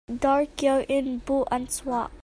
Darkeu in buh an suah.